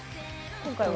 今回は。